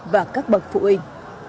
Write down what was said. và các bậc phụ huynh